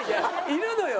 いるのよ！